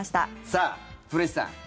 さあ、古市さん